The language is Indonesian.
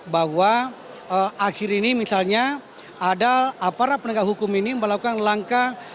bahwa akhir ini misalnya ada aparat penegak hukum ini melakukan langkah